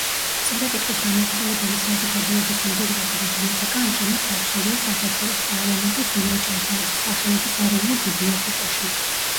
წერა-კითხვის გამავრცელებელი საზოგადოების უმდიდრესი ბიბლიოთეკა ამჟამად დაცულია საქართველოს პარლამენტის ილია ჭავჭავაძის სახელობის ეროვნულ ბიბლიოთეკაში.